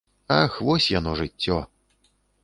Ах, вось яно, жыццё.